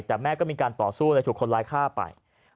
แต่แม่ก็มีการต่อสู้เลยถูกคนร้ายฆ่าไป